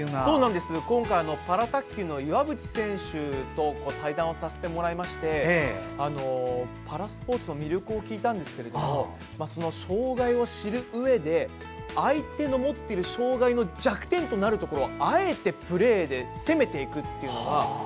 今回、パラ卓球の岩渕選手と対談をさせてもらいましてパラスポーツの魅力を聞いたんですが障害を知るうえで相手の持っている障害の弱点となるところをあえてプレーで攻めていくっていうのが。